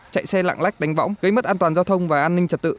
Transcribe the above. chạy xe lạng lách đánh võng gây mất an toàn giao thông và an ninh trật tự